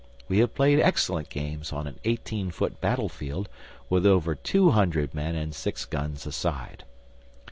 We have played excellent games on an eighteen foot battlefield with over two hundred men and six guns a side.